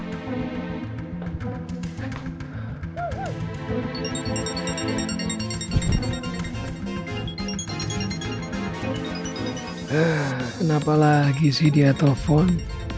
kenapa lagi sih dia telepon